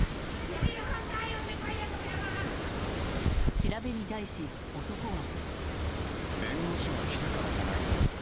調べに対し、男は。